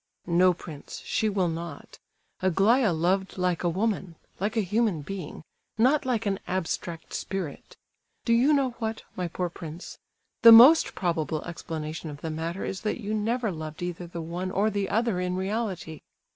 "No, prince, she will not. Aglaya loved like a woman, like a human being, not like an abstract spirit. Do you know what, my poor prince? The most probable explanation of the matter is that you never loved either the one or the other in reality."